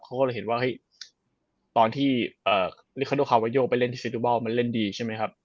เขาก็เลยเห็นว่าเฮ้ยตอนที่ลิคาโดคาวาโยไปเล่นที่ซิตูบอลมันเล่นดีใช่ไหมครับ